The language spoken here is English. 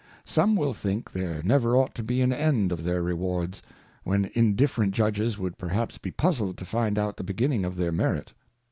Some will think there never ought to be an end of their Rewards ; when indifferent Judges would perhaps be puzzled to find out the beginning of their Merit.